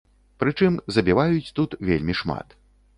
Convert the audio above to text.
Прычым, забіваюць тут вельмі шмат.